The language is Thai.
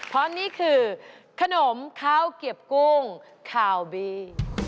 เพราะนี่คือขนมข้าวเก็บกุ้งข่าวบี